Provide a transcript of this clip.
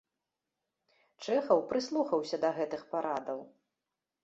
Чэхаў прыслухаўся да гэтых парадаў.